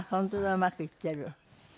うまくいってる。